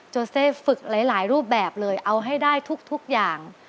โเซฝึกหลายรูปแบบเลยเอาให้ได้ทุกอย่าง